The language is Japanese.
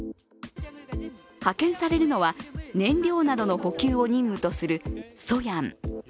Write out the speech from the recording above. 派遣されるのは燃料などの補給を任務とする「ソヤン」。